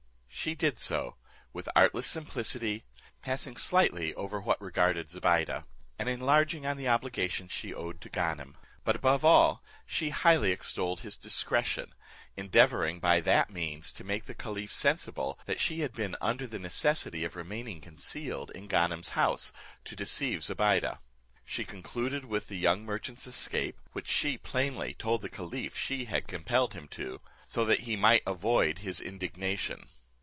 She did so, with artless simplicity, passing slightly over what regarded Zobeide, and enlarging on the obligations she owed to Ganem; but above all, she highly extolled his discretion, endeavouring by that means to make the caliph sensible that she had been under the necessity of remaining concealed in Ganem's house, to deceive Zobeide. She concluded with the young merchant's escape, which she plainly told the caliph she had compelled him to, that he might avoid his indignation.